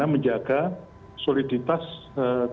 yang kedua diberikan kekuatan kekuatan kekuatan